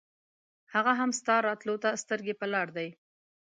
هغه هم ستا راتلو ته سترګې پر لار دی.